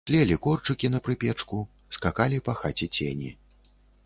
Тлелі корчыкі на прыпечку, скакалі па хаце цені.